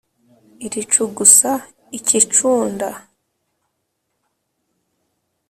iricugusa ikicunda